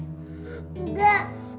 boneka ini pula dinik